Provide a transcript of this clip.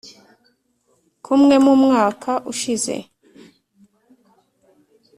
kumwe mu mwaka ushize.